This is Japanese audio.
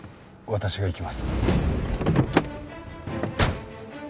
私が行きます。